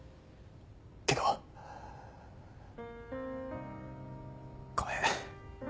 けどごめん。